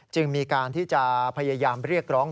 จึงมีการที่จะพยายามเรียกร้อง